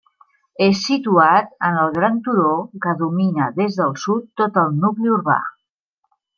És situat en el gran turó que domina des del sud tot el nucli urbà.